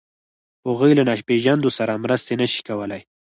هغوی له ناپېژاندو سره مرسته نهشي کولی.